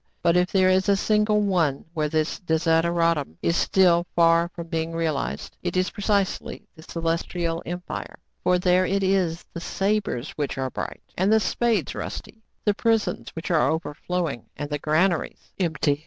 But, if there is a single one where this desideratum is still far from being realized, it is precisely the Celestial Empire : for there it is the sabres which are bright, and the spades rusty ; the prisons which are overflowing, and the granaries empty.